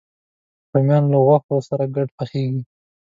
رومیان له غوښو سره ګډ پخېږي